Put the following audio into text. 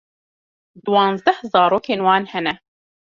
Diwanzdeh zarokên wan hene.